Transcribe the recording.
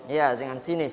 ya dengan sinis